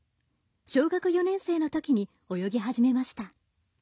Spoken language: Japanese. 小学４年生のときに泳ぎ始めました。